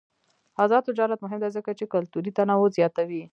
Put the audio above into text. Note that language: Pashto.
آزاد تجارت مهم دی ځکه چې کلتوري تنوع زیاتوي.